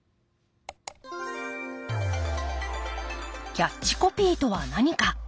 キャッチコピーとは何か？